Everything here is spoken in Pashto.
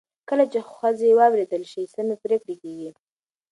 کله چې ښځې واورېدل شي، سمې پرېکړې کېږي.